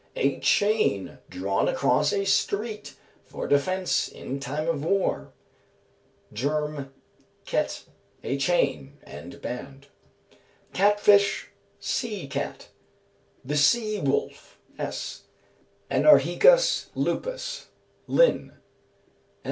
A chain drawn across a street for defence in time of war. Germ., kette, a chain, and band. Cat fish, Sea cat. The sea wolf (S.). Anarhicas lupus (LINN.)